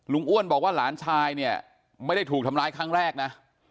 อ้วนบอกว่าหลานชายเนี่ยไม่ได้ถูกทำร้ายครั้งแรกนะ